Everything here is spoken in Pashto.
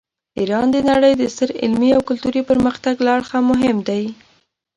ایران د نړۍ د ستر علمي او کلتوري پرمختګ له اړخه مهم دی.